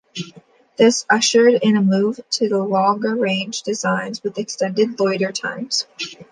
This ushered in a move to longer-range designs with extended loiter times.